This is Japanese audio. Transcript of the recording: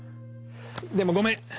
でもごめん。